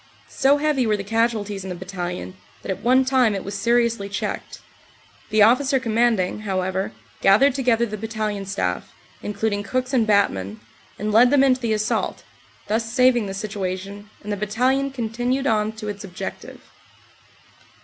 So heavy were the casualties in the Battalion, that at one time it was seriously checked. The Officer Commanding, however, gathered together the battalion staff, including cooks and batmen, and led them into the assault, thus saving the situation, and the Battalion continued on to its objective.